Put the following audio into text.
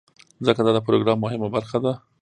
ځکه دا د پروګرام مهمه برخه ده.